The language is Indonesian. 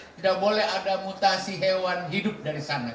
tidak boleh ada mutasi hewan hidup dari sana